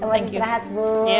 selamat istirahat bu